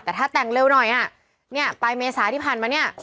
แต่ถ้าแต่งเร็วหน่อยนี่ปลายเมษาที่พันธุ์มานี่